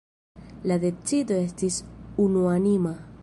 La decido estis unuanima.